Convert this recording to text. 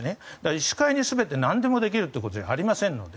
医師会がなんでもできるというわけではありませんので。